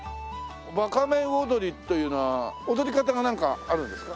ばか面踊りというのは踊り方がなんかあるんですか？